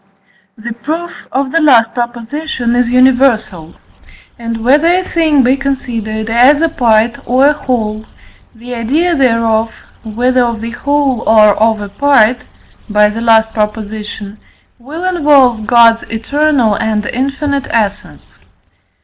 The proof of the last proposition is universal; and whether a thing be considered as a part or a whole, the idea thereof, whether of the whole or of a part (by the last Prop.), will involve God's eternal and infinite essence.